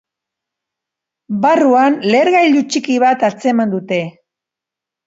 Barruan lehergailu txiki bat atzeman dute.